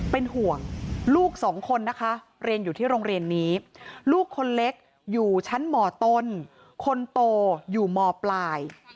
เป็นห่วงลูกสองคนนะคะเรียนอยู่ที่โรงเรียนนี้ลูกคนเล็กอยู่ชั้นมต้นคนโตอยู่มปลาย